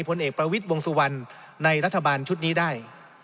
ผลเอกประวิทย์วงสุวรรณในรัฐบาลชุดนี้ได้